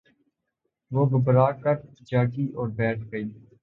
وہ گھبرا کر جاگی اور بیٹھ گئی